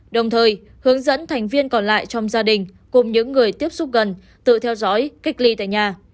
đồng thời hướng dẫn thành viên còn lại trong gia đình cùng những người tiếp xúc gần tự theo dõi cách ly tại nhà